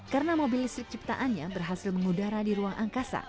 karena mobil istri ciptaannya berhasil mengudara di ruang angkasa